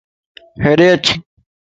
ھيڏي اچ